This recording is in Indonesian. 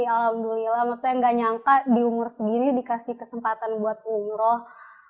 alhamdulillah maksudnya gak nyangka di umur segini dikasih kesempatan buat umroh